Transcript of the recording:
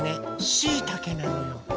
しいたけなのよ。